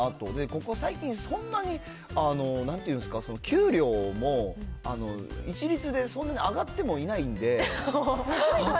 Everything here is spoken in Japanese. ここ最近、そんなになんていうんですか、給料も一律でそんなに上がってもいないんで。